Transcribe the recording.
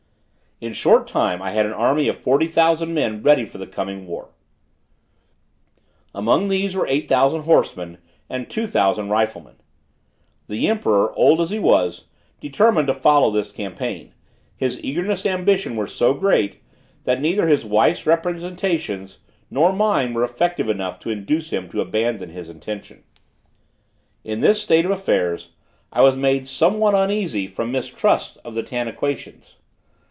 In a short time I had an army of forty thousand men ready for the coming war: among these were eight thousand horsemen and two thousand riflemen. The emperor, old as he was, determined to follow this campaign; his eagerness and ambition were so great, that neither his wife's representations nor mine were effective enough to induce him to abandon this intention. In this state of affairs, I was made somewhat uneasy from mistrust of the Tanaquitians.